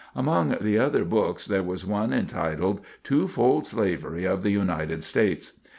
Among the other books there was one entitled "Two fold Slavery of the United States."